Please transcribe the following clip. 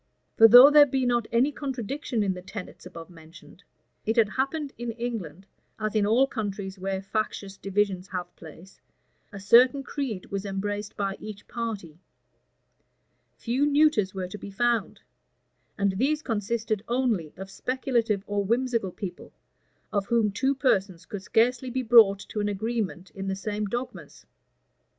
For though there be not any contradiction in the tenets above mentioned, it had happened in England, as in all countries where factious divisions have place; a certain creed was embraced by each party; few neuters were to be found; and these consisted only of speculative or whimsical people, of whom two persons could scarcely be brought to an agreement in the same dogmas.